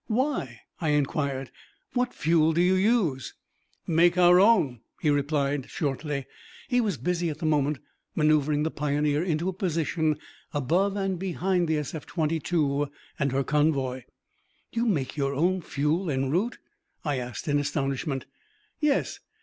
"Why?" I inquired. "What fuel do you use?" "Make our own," he replied shortly. He was busy at the moment, maneuvering the Pioneer into a position above and behind the SF 22 and her convoy. "You make your own fuel enroute?" I asked in astonishment. "Yes.